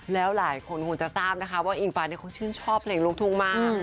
แล้วหลายคนคงจะทราบว่าอิงฟ้าชื่นชอบเพลงลูกทุ่งมาก